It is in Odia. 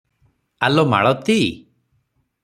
ଆଲୋ ମାଳତୀ!